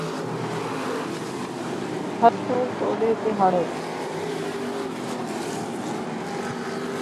ہتھوں توݙے تریہاڑے کوں